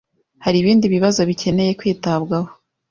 Hari ibindi bibazo bikeneye kwitabwaho?